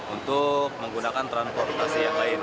untuk menggunakan transportasi yang lain